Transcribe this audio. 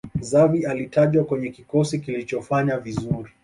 xavi alitajwa kwenye kikosi kilichofanya vizuri